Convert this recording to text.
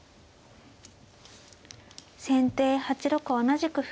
先手８六同じく歩。